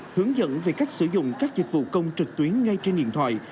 hướng dẫn về cách sử dụng các dịch vụ công trực tuyến ngay trên điện thoại